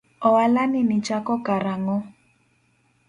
Oala ni nichako kar ang'o?